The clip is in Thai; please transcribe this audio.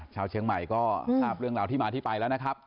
ชาวเชียงใหม่ก็ทราบเรื่องราวที่มาที่ไปแล้วนะครับ